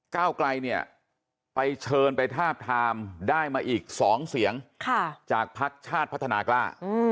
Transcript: ก้าวไกลเนี่ยไปเชิญไปทาบทามได้มาอีก๒เสียงจากภักดิ์ชาติพัฒนากล้า